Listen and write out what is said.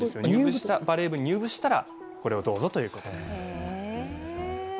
バレー部に入部したら、これをどうぞということです。